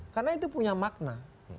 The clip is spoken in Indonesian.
karena itu punya makna